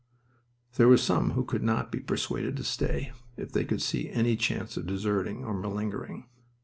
There were some who could not be persuaded to stay if they could see any chance of deserting or malingering.